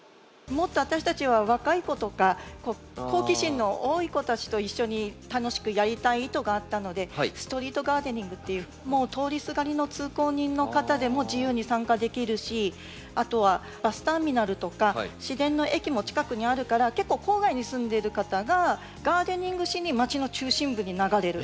もっと私たちは若い子とか好奇心の多い子たちと一緒に楽しくやりたい意図があったので「ストリート・ガーデニング」っていうもう通りすがりの通行人の方でも自由に参加できるしあとはバスターミナルとか市電の駅も近くにあるから結構郊外に住んでる方がガーデニングしにまちの中心部に流れる。